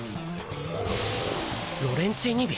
ロレンチーニ瓶？